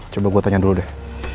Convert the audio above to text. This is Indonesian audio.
coba gue tanya dulu deh